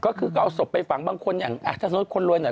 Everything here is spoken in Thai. ก็คือก็เอาศพไปฝังบางคนอย่างถ้าสมมุติคนรวยหน่อย